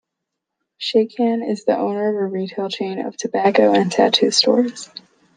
Sheikhan is the owner of a retail chain of tobacco and tattoo stores.